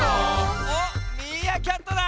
おっミーアキャットだ！